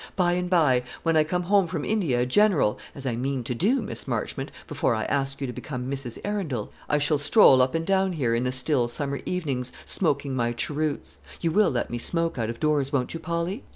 "By and by, when I come home from India a general, as I mean to do, Miss Marchmont, before I ask you to become Mrs. Arundel, I shall stroll up and down here in the still summer evenings, smoking my cheroots. You will let me smoke out of doors, won't you, Polly?